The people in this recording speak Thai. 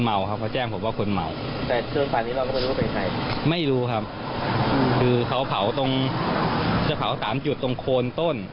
ไม่รู้ครับเผาทั้งจะเผาสามจุดตรงโคนต้น